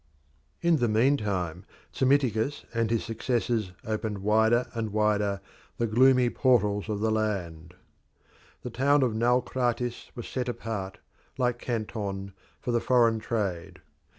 In the meantime Psammiticus and his successors opened wider and wider the gloomy portals of the land. The town of Naucratis was set apart, like Canton, for the foreign trade.